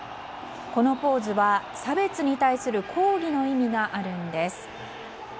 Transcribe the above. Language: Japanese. このポーズは差別に対する抗議の意味があるんです。